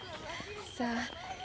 さあ。